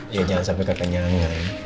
ya jangan sampai kekenyangan